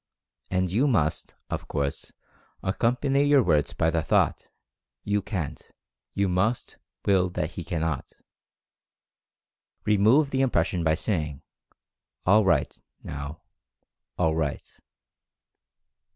And you must, of course, ac company your words by the thought, "You CAN'T" — you must WILL that he cannot. Remove the impres sion by saying, "All right, now — all right."